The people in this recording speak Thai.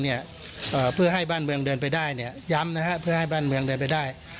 เนี่ยเพื่อให้บ้านเมืองเดินไปได้เนี่ยย้ำนะฮะเพื่อให้บ้านเมืองเดินไปได้